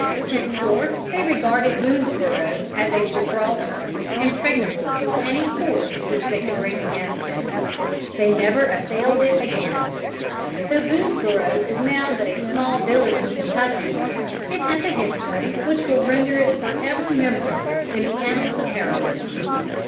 Henceforth they regarded Boonesborough as a Gibraltar; impregnable to any force which they could bring against it. They never assailed it again. Though Boonesborough is now but a small village in Kentucky, it has a history which will render it forever memorable in the annals of heroism.